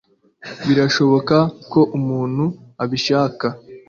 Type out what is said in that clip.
birashoboka ko umuntu abishaka